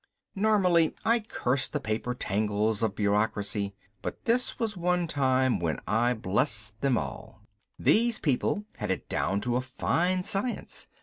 Normally I curse the paper tangles of bureaucracy, but this was one time when I blessed them all. These people had it down to a fine science.